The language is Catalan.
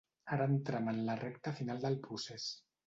Ara entram en la recta final del procés.